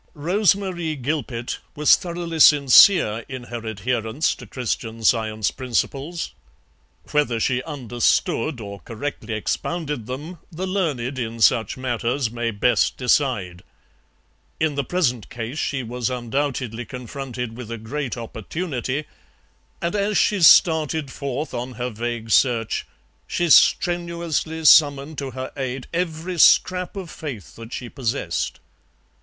Rose Marie Gilpet was thoroughly sincere in her adherence to Christian Science principles; whether she understood or correctly expounded them the learned in such matters may best decide. In the present case she was undoubtedly confronted with a great opportunity, and as she started forth on her vague search she strenuously summoned to her aid every scrap of faith that she possessed.